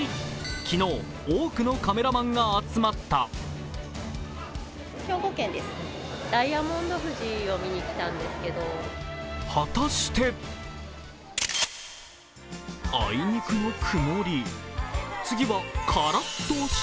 昨日、多くのカメラマンが集まったあいにくの曇り。